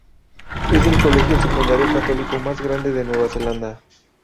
Es el colegio secundario católico más grande de Nueva Zelanda.